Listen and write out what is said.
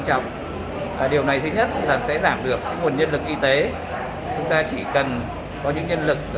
trọng điều này thứ nhất là sẽ giảm được nguồn nhân lực y tế chúng ta chỉ cần có những nhân lực